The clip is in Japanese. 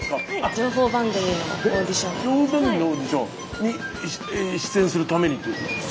情報番組のオーディションに出演するためにっていうことですか？